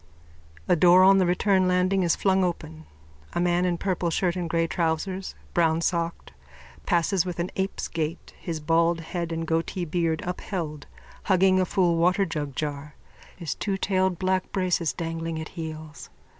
A door on the return landing is flung open. A man in purple shirt and grey trousers, brownsocked, passes with an ape's gait, his bald head and goatee beard upheld, hugging a full waterjugjar, his twotailed black braces dangling at heels.